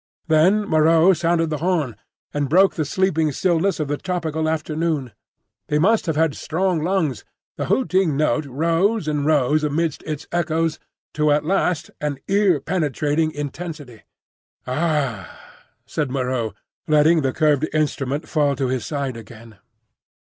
Then Moreau sounded the horn, and broke the sleeping stillness of the tropical afternoon. He must have had strong lungs. The hooting note rose and rose amidst its echoes, to at last an ear penetrating intensity. "Ah!" said Moreau, letting the curved instrument fall to his side again.